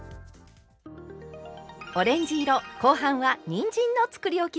オレンジ色後半はにんじんのつくりおきです。